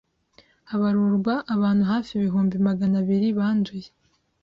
habarurwa abantu hafi ibihumbi Magana abiri banduye